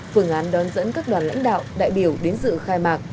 phương án đón dẫn các đoàn lãnh đạo đại biểu đến dự khai mạc